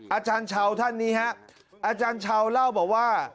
อาจารย์เช้าท่านนี้ฮะอาจารย์เช้าเล่าบอกว่า